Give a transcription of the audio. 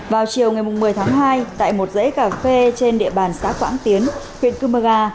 vào chiều ngày một mươi tháng hai tại một dãy cà phê trên địa bàn xã quảng tiến huyện cơ mơ ga